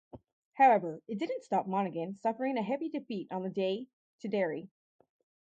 However it didn't stop Monaghan suffering a heavy defeat on the day to Derry.